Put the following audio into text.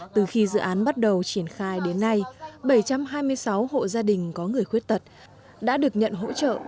từ khi dự án bắt đầu triển khai đến nay bảy trăm hai mươi sáu hộ gia đình có người khuyết tật đã được nhận hỗ trợ